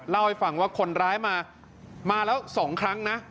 เล่าให้ฟังว่าคนร้ายมามาแล้ว๒ครั้งนะ